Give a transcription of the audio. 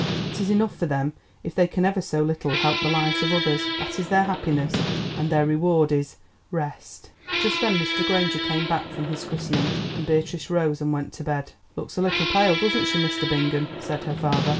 It is enough for them if they can ever so little help the lives of others. That is their happiness, and their reward is—rest." Just then Mr. Granger came back from his christening, and Beatrice rose and went to bed. "Looks a little pale, doesn't she, Mr. Bingham?" said her father.